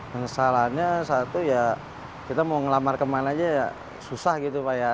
menyesalannya satu ya kita mau ngelamar kemana aja ya susah gitu pak ya